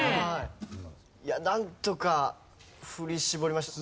いやなんとか振り絞りました。